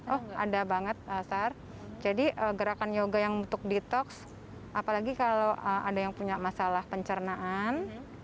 oh ada banget sar jadi gerakan yoga yang untuk detox apalagi kalau ada yang punya masalah pencernaan